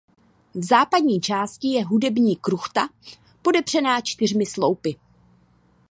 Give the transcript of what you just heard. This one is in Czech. V západní části je hudební kruchta podepřená čtyřmi sloupy.